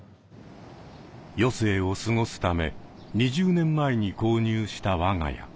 余生を過ごすため２０年前に購入した我が家。